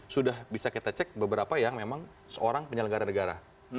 sudah bisa kita cek beberapa yang memang seorang penyelenggara negara